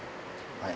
はい。